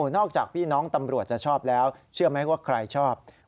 พี่น้องตำรวจจะชอบแล้วเชื่อไหมว่าใครชอบ